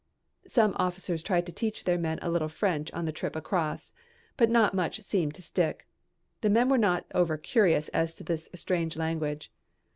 Some officers had tried to teach their men a little French on the trip across, but not much seemed to stick. The men were not over curious as to this strange language.